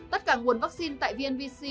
tất cả nguồn vắc xin tại vnbc